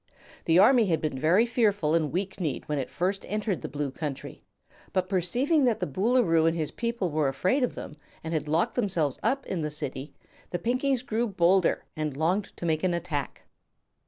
The army had been very fearful and weak kneed when it first entered the Blue Country, but perceiving that the Boolooroo and his people were afraid of them and had locked themselves up in the City, the Pinkies grew bolder and longed to make an attack.